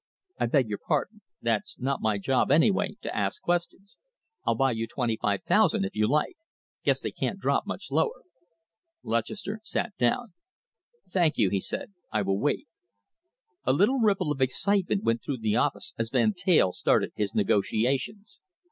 "I beg your pardon. That's not my job, anyway, to ask questions. I'll buy you twenty five thousand, if you like. Guess they can't drop much lower." Lutchester sat down. "Thank you," he said, "I will wait." A little ripple of excitement went through the office as Van Teyl started his negotiations.